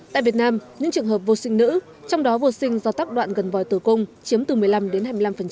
tại việt nam những trường hợp vô sinh nữ trong đó vô sinh do tắc đoạn gần vòi tử cung chiếm từ một mươi năm đến hai mươi năm